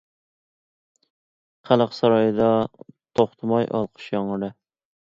خەلق سارىيىدا توختىماي ئالقىش ياڭرىدى.